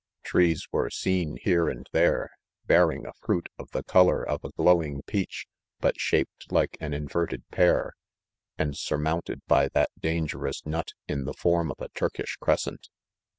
Trees were seem here and there, tearing a PROLOGIZE, ' 9 £nixt of the color of a glowing peach, but shaped like an inverted pear, and surmounted by mat dangerous nut, in the form of a Turkish crescent.